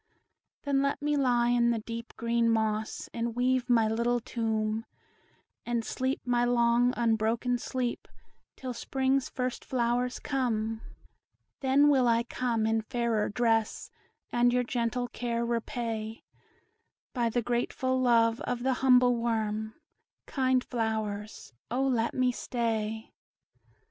Then let me lie in the deep green moss, And weave my little tomb, And sleep my long, unbroken sleep Till Spring's first flowers come. Then will I come in a fairer dress, And your gentle care repay By the grateful love of the humble worm; Kind flowers, O let me stay!"